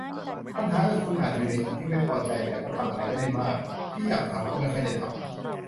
ปัญหาคือคุณอาจอยู่ในจุดที่ไม่พอใจ แต่ก็ทำอะไรไม่ได้มาก ที่อยากทำจะไม่ค่อยได้ทำ